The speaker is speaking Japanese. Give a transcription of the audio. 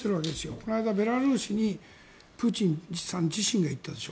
この間ベラルーシにプーチンさん自身が行ったでしょ。